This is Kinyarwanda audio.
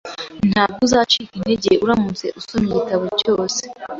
Ntabwo uzacika intege uramutse usomye igitabo cyose